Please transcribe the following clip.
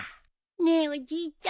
ねえおじいちゃん